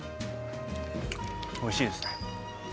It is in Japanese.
おいしいですね。